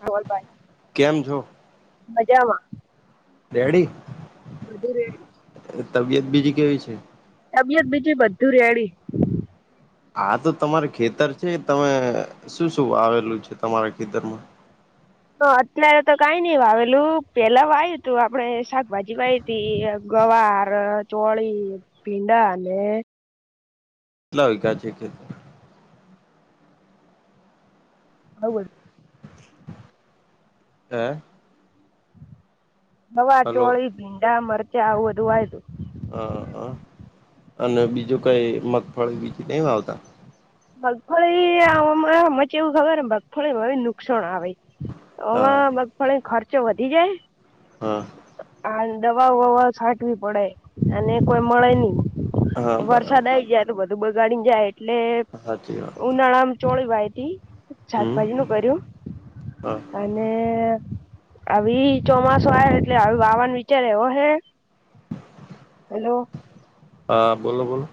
હા બોલ ભાઈ કેમ છો? મજામાં રેડી બધું રેડી તબિયત બીજી કેવી છે? તબિયત બીજી બધું રેડી? હા તો તમારે ખેતર છે તમે શું શું વાવેલું છે તમારા ખેતરમાં? તો અત્યારે તો કઈ નઈ વાવેલું પેલા વાય્યું તું આપડે શાકભાજી વાય તી ગવાર, ચોળી, ભીંડા ને. કેટલા વિઘા છે ખેતર બોવ બધૂ હે. ગવાર, હલો ચોળી, ભીંડા, મરચા આવું બધું વાયુતું હ હ અને બીજું કઈ મગફળી બીજી નહી વાવતા? મગફળી આવામાં ચેવુ ખબર મગફળીમાં હવે નુકસાન આવે. હવ હા મગફળીનો ખર્ચો વધી જાય હા. હાને દવાઓ વવાઓ છાંટવી પડે અને કોઈ મળે નહી. હા બરાબર વરસાદ આવી જાય તો બધું બગાડી જાય એટલે સાાચી વાત. ઉનાળામ ચોળી વાઈ હતી હમ શાકભાજી નું કર્યું. હા અને આવી ચોમાસું આવે એટલે વાવાન વિચાર એવો હે હલો. હા, બોલો બોલો.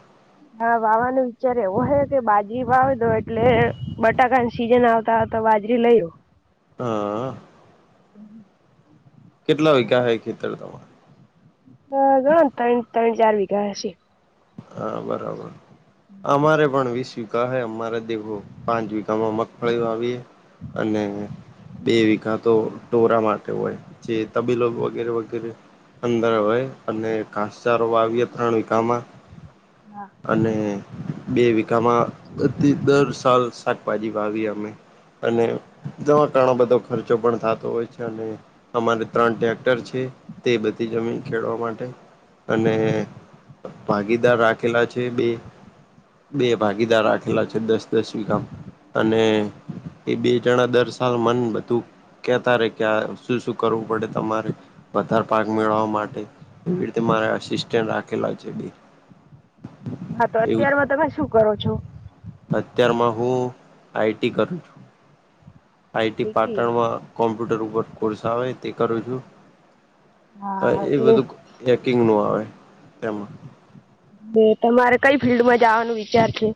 હા વાવાનું વિચાર એવો હે કે બાજરી વાવીદો એટલે બટાકાને સીઝન આવ તા તો બાજરી લઈ ઓ અ કેટલા ઉયગા હે ખેતર તમાર અ ગણોને ત્રણ ત્રણ ચાર વિઘા હશે. હા બરાબર અમારે પણ વીશ વિ ઘા હે અમારે દેખો પાંચ વિઘામાં મગફળી વાવીએ અને બે વિઘા તો ઠોરા માટે હોય જે તબીલો વગેરે વગેરે અંદર હોય અને ઘાસચાર વાવીએ ત્રણ વિઘામાં હા અને બે વિઘામાં બધી દર સાલ શાકભાજી વાવીએ અમે અને દવા તણો બધો ખર્ચો પણ થાતો હોય છે અને અમારે ત્રણ ટ્રેક્ટર છે તે બધી જમીન ખેડવા માટે અને ભાગીદાર રાખેલા છે બે, બે ભાગીદાર રાખ લા છે દસ દસ વિઘા અને એ બે જણા દર સાલ મન બધું કે તારે કે આ શું શું કરવું પડે તમારે વધારે પાક મેળવવા માટે એવી રીતે મારે આસિસ્ટન્ટ રાખેલા છે બે હા તો અત્યાર માં તમે શું કરો છો? અત્યાર માં હું આઈટી કરું છું આઈટી પાટણ ડિગ્રી માં કોમ્પ્યુટર ઉપર કોર્સ આવે તે કરું છું તા હા એ એટલે બધુ હેકિંગ નું આવે તે માં તે તમારે કઈ ફિલ્ડમાં જાવાનું વિચાર છે?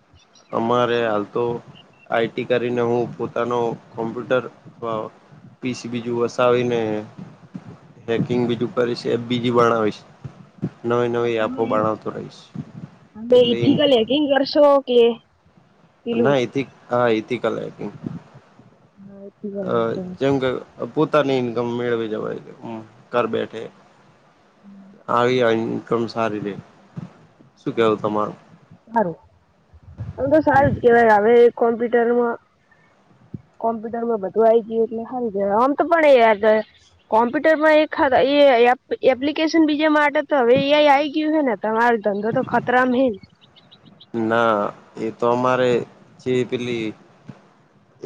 અમારે હાલ તો આઈટી કરીને હું પોતાનો કોમ્પ્યુટર અ પી સી બીજું વસાવી ને હેકિંગ બીજું કરીશ એપ બીજી બણાવીશ નવી નવી એપો તમે બણાવતો રહીશ એટલે ઈ કીંગ કરશો કે પેલું ના એથી હા એથીકલ આઈથિક હા ઇથિકલ હેકિંગ જેમકે પોતાની ઇન્કમ મેળવી જવાય એમ ઘર બેઠે આવી આ ઇનકમ સારી રે શું કેવુ તમારું? હારું એમ તો સારું જ કેવાય હવે કોમ્પ્યુટરમાં કોમ્પ્યુટર માં બધું આવી ગયું એટલે હારુ કેવાય આમ તો પણ એ યાદ છે કોમ્પ્યુટર માં એક હારા એ એપ્લ એપ્લિકેશન બીજા માટે તો હવે એઆઈ આવી ગયું હે ને તમાર ધંધો તો ખતરામાં હેને ના એ તો અમારે જે પેલી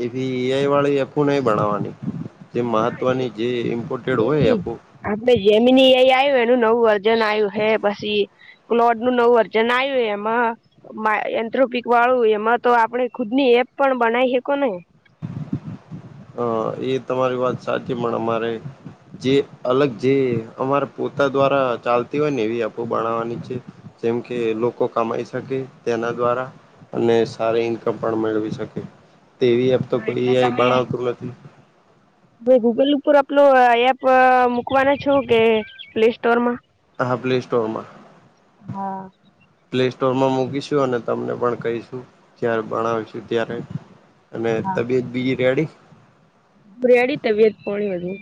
એવી એઆઈ વાળી એપુ નય બણવાની જે મહત્વની જે ઇમ્પોર્ટેડ હોય એપો આમતો જેમીની એઆઈ આવ્યું એનું નવું વર્જન આવ્યું હે પછી ક્લોડ નું નવું વર્જન આયુ એમાં મા એન્થ્રોપિક વાળું એમાં તો આપણે ખુદ ની એપ પણ બનાઈ હકો ને [inaudible] હ એ તમારી વાત સાચી પણ અમારે જે અલગ જે અમારે પોતા દ્વારા ચાલતી હોય ને એવી એપો બણાવાની છે જેમકે લોકો કમાઈ શકે તેના દ્વારા અને સારી ઇન્કમ પણ મેળવી શકે. તેવી એપ તો કોઈ એટલે એઆઈ બણાવતું નથી [inaudible] પહી ગૂગલ ઉપર આપલો એપ મૂકવાના છો કે, પ્લે સ્ટોર માં હા, પ્લેસ્ટોરમાં હા પ્લેસ્ટોર માં મૂકીશું અને તમને પણ કહીશું. જ્યારે ભણાવશું ત્યારે અને તબિયત બીજી રેડી રેડી તબિયત પોણી બધું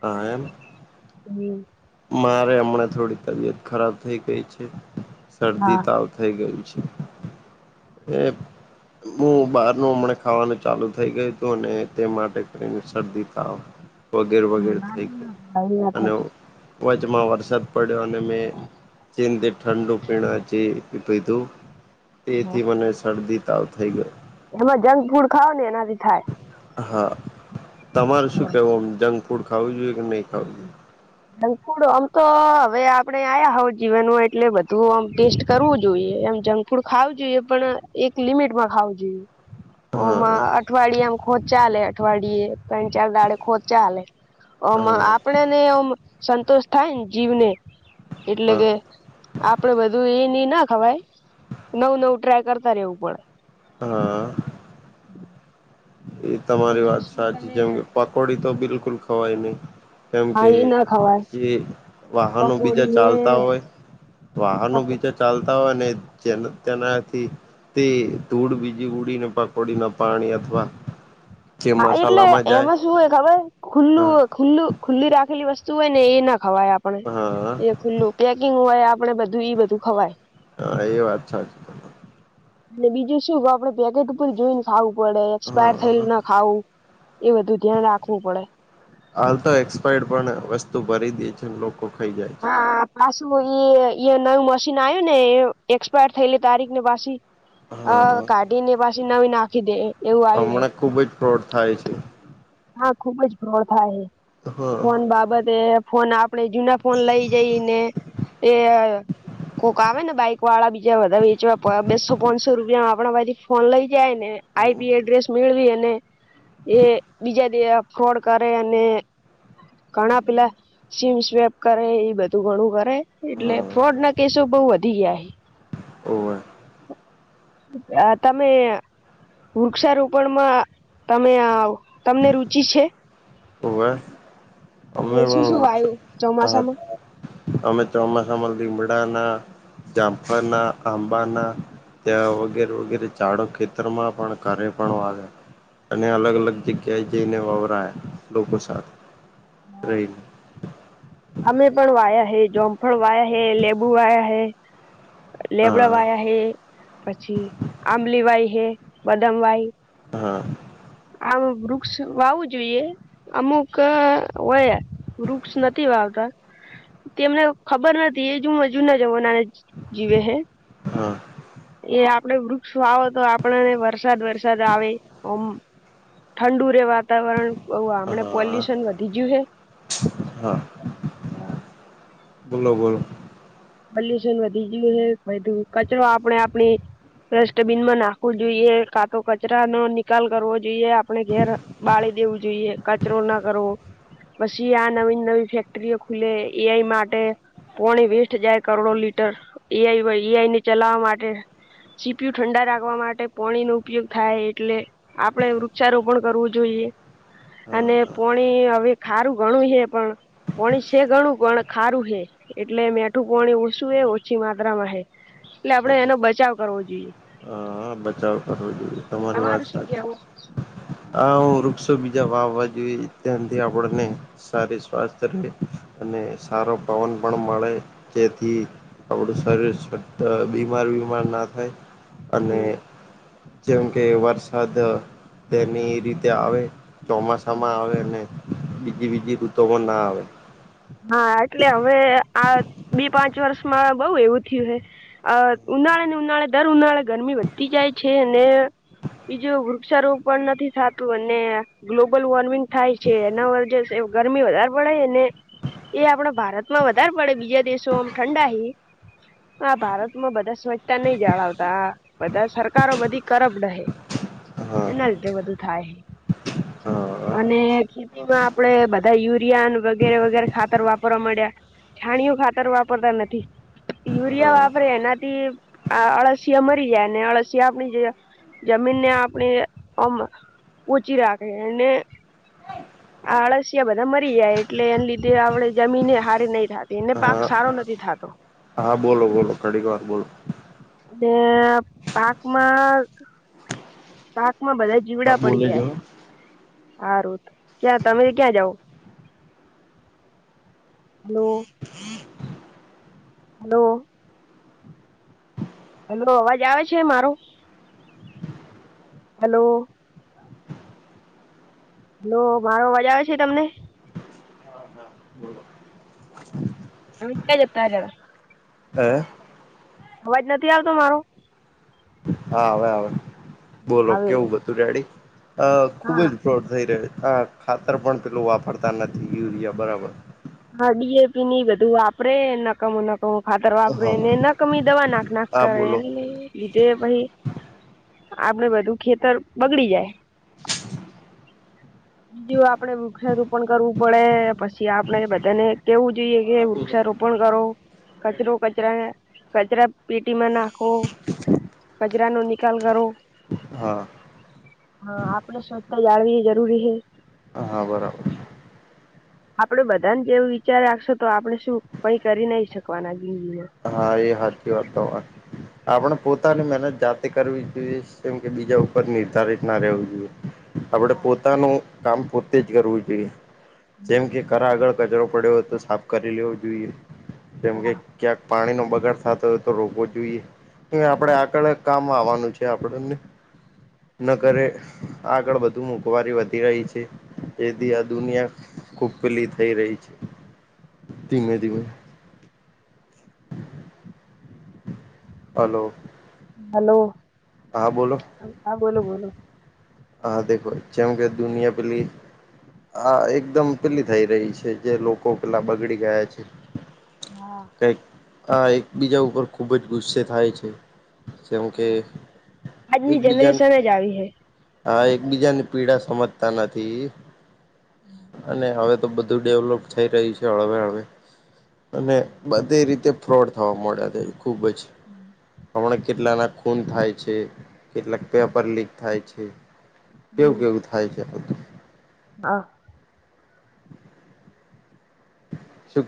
હા, એમ હમ મારે હમણાં થોડી તબિયત ખરાબ થઈ ગઈ છે, હા શરદી-તાવ થઈ ગયું છે. એ હું બહારનું હમણા ખાવાનું ચાલુ થઇ ગયું હતું, ને તે માટે કરીને શરદી-તાવ [inaudible] વગેરે-વગેરે, થઈ ગયું આવી ના અને થતી વચમાં વરસાદ પડ્યો અને મે જે તે ઠંડુ પીણાં જે પીધું હા થી મને શરદી-તાવ થઈ ગયો. એમાં જંક ફૂડ ખાાવ ને એનાથી થાય. હા, તમારે શું કેવું જંક ફૂડ ખાવું જોઈએ કે નહી ખાવું જોઈએ? જંક ફૂડ આમ તો હવે આપડે આયા હોવ, જીવનમાં એટલે બધું આમ ટેસ્ટ કરવું જોઈએ, એમ જંક થોડું ખાવું જોઈએ, પણ એક લિમિટમાં ખાવું જોઈએ. હા ઓમાં અઠવાડિયા મ ખો ચાલે અઠવાડિયે તન-ચાર ડાડે ખોવ ચાલે, ઓમ હા આપડે ને ઓમ સંતોષ થાય ને જીવને, એટલે હા કે આપડે બધું એ-એ ના ખવાય, નવું-નવું ટ્રાય કરતા રેવું પડે હા [inaudible] એ તમારી વાત સાચી જેમ કે પકોડી તો બિલકુલ ખવાય નહી. કેમ હા કે, એ ના ખવાય જે વાહનો બીજા પકોડી હે ચાલતા હોય. વાહનો પકો બીજા ચાલતા હોય ને જે તેનાથી તે ધૂળ બીજી ઉડીને પકોડી ના પાણી અથવા જે હા, એટલે મસાલામાં જાય એમાં શું હોય ખબર હા ખુલ્લું ખુલ્લું, ખુલ્લી રાખેલી વસ્તુ હોય ને એ ના ખવાય આપણે હા એ ખુલ્લું પેકિંગ હોય, આપડે બધું ઈ બધું ખવાય. હા, એ વાત સાચી અને બીજું શું ક આપડે પેકેટ ઉપર જોઈને ખાવું પડે, એક્સપાયર થયેલ હા ના ખાવુ એ બધું ધ્યાન રાખવું પડે. હાલ તો, એક્સપાયડ પણ વસ્તુ ભરી દે છે, લોકો ખાઈ જાય. છે. હા, પાછું એ-એ નયું મશીન આવ્યું ને એક્સપાયર થયેલી તારીખ ને પાછી અ હા કાઢી ને પાછી નવી નાખી દે એવું આવ્યું હે હમણાં ખુબ જ ફ્રોડ થાય છે. હા, ખુબ જ ફ્રોડ થાય, હા. ફોન બાબતે ફોન આપણેે જુના ફોન લઈ જઈને, એ કોક આવે ને બાઈક વાળા બીજા બધા વેચવા બેસો-પોનસો રૂપિયામાં આપણા પાહે થી ફોન લઈ જાય ને, આઈપી એડ્રેસ મેળવી અને એ બીજા દ ફ્રોડ કરે અને ઘણા પેલા સીમ સ્વેપ કરે એ બધું ઘણું કરે એટલે હા ફ્રોડના કેસો બો વધી ગયા હે ઓવે અ તમે વૃક્ષારોપણમાં તમે તમને રુચિ છે? હોવે તમે અમે શું પણ શું વાયુ હા ચોમાસામાં અમે ચોમાસામાં લીમડાના જામફરના આંબાના ત્યાં વગેરે વગેરે ચાળો ખેતરમાં પણ ઘરે પણ વાવયા અને અલગ અલગ જગ્યાએ જઈને વવરાયા લોકો સાથે રહીને. અમે પણ વાયા હૈ, જોમફળ વાયા હૈ, લેબુ વાયા હૈ લેબડા વાયા હા હૈ, પછી આંબલી વાય હૈ, બદામ વાય હા. આમ વૃક્ષ વાવું જોઈએ. અમુક હોય વૃક્ષ નથી વાવતા તેમને ખબર નથી એજ [unintelligible] ના જમાનાને જીવે હે હા. એ આપડે વૃક્ષો વાવો તો આપણને વરસાદ વરસાદ આવે ઓમ ઠંડુ રે વાતાવરણ બઉ આમણે હા પોલ્યુશન વધી ગયું હે હા હા બોલો બો પોલ્યુશન વધી ગયું હે [unintelligible] કચરો આપણે આપણી ડસ્ટબીનમાં નાખવું જોઈએ કા તો કચરા ન ની કાલ કરવો જોઈએ આપણે ઘેર બાળી દેવું જોઈએ કચરો ના કરવો પછી આ નવી નવી ફેક્ટરીઓ ખુલે એઆઈ માટે પોણી વેસ્ટ જાય કરોડો લીટર એઆઈ એઆઈ ને ચલાવવા માટે ચીપિયુ ઠંડા રાખવા માટે પાણીનો ઉપયોગ થાય એટલે આપણે વૃક્ષારોપણ કરવું જોઈએ. હા અને પોણી હવે ખારું ઘણું હે પણ પોણી છે, ઘણું પણ ખારું હે એટલે મેઠું કોણી ઓછું એ ઓછી માત્રામાં હે એટલે આપણેે એનો બચાવ કરવો જોઈએ. હ હ બચાવ કરવો જોઈએ તમારી તમારું વાત શું સાચી કેવું હા હું વૃક્ષો બીજા વાવા જોએ ત્યાંથી આપડને સારી સ્વાસ્થ રહે અને સારો પવન પણ મળે જેથી આપણું શરીર [unintelligible] બીમાર બીમાર ના થાય અને જેમકે વરસાદ તેની રીતે આવે ચોમાસામાં આવે ને બીજી બીજી ઋતો પણ ના આવે હા એટલે હવે આ બે પાંચ વર્ષમાં બઉ એવું થયું હે અ ઉનાળે ને ઉનાળે દર ઉનાળે ગરમી વધતી જાય છે, ને બીજું વૃક્ષારોપણ નથી થાતું અને ગ્લોબલ વોર્મિંગ થાય છે, એના વ જે ગરમી વધારે પડે ને એ આપણા ભારતમાં વધારે પડે બીજા દેશો આમ ઠંડા હે હા ભારતમાં બધા સ્વચ્તા નહીં જાળવતા બધા સરકારો બધી કરપડ હે હા એના લીધે બધું થાય હે હા અને ખેતીમાં આપડે બધા યુરિયા વગેરે વગે [unintelligible] ખાતર વાપરવા માંડ્યા છાણીયુ ખાતર વાપરતા નથી. યુરિયા હા વાપરે એનાથી આ અળસિયા મરી જાય ને અળસિયા આપણી જે જમીનને આપડી ઓમ પોચી રાખે એને આ અળસિયા બધા મરી જાય એટલે એના લીધે આપડે જમીને હારી નહી થતી એને પાક હા સારો નથી થાતો હા બોલો બોલો ઘડીક વાર બોલો તે પાકમાં પાકમાં બધા જીવડા હા પડી બોલે જો જાય, હારુ ક્યાં તમે ક્યાં જાવ? હલો હલો હલો અવાજ આવે છે મારો? હલો હલો મારો અવાજ આવે છે તમને? હા હા બોલો તમે ક્યાં જતા રયા છો? હે અવાજ નથી આવતો મારો? હા આવે આવે બોલો આવે કેવું બધું રેડી? અ ખુબ હા જ ફ્રોડ થઈ રહ્યો આ ખાતર પણ પેલું વાપરતા નથી યુરિયા બરાબર હા ડીએપી ની એ બધું વાપરે નકામો નકામો ખાતર વાપરે હા ને નકામી દવા નાક નાક હા કરે બોલો એ પહિ આપડે બધું ખેતર બગડી જાય બીજું આપડે વૃક્ષારોપણ કરવું પડે પછી આપડે બ બધાને કેવું જોઈએ કે વૃક્ષારોપણ કરો. કચરો કચરા કચરાપેટીમાં નાખો. કચરાનો નિકાલ કરો. હા હા આપણે સ્વચ્છતા જાળવી જરૂરી હે હા બરાબર આપડે બધાન જેવું વિચાર રાખશો તો આપણે શું કઈ કરી નહી શકવાના જિંદગીમાં હા એ હાચી વાત તમારી આપણે પોતાની મહેનત જાત જાતે કરવી જોઈએ કેમ કે બીજા ઉપર નિર્ધારિત ના રહેવું જોઈએ, આપણે પોતાનું કામ પોતે જ કરવું જોઈએ જેમ કે ઘેર આગળ કચરો પડ્યો હોય તો સાફ કરી લેવો જોઈએ જેમ કે ક્યાંક પાણી નો બગાડ થાતો હોય તો રોકવો જોઈએ કે આપણે આગળ કામ આવવાનું છે આપડને ન કરે આગળ વધુ મોંઘવારી વધી રહી છે એથી આ દુનિયા ખૂબ પેલી થઈ રહી છે, ધીમે ધીમે હલો. હલો. હા બોલો હા બોલો બોલો હા દેખો જેમ કે દુનિયા પેલી આ એકદમ પેલી થઈ રહી છે જે લોકો પેલા બગડી ગયા છે. હા. કઈક આ એકબીજા ઉપર ખુબ જ ગુસ્સે થાય છે જેમ કે એકબીજા એક જ આવી હે હા એકબીજાની પીડા સમજતા નથી અને હવે તો બધું ડેવલોપ થઈ રહ્યું છે, હળવે હળવે અને બધી રીતે ફ્રોડ થવા મળે તે ખૂબ જ હમણાં કેટલાના ખૂન થાય છે. કેટલાક પેપર લીક થાય છે, કેવું કેવું થાય છે, બધું હા. શું